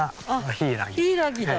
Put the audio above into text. ヒイラギだ。